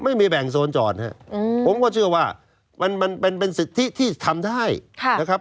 ไม่มีแบ่งโซนจอดนะครับผมก็เชื่อว่ามันเป็นสิทธิที่ทำได้นะครับ